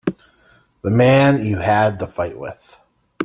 The man you had the fight with.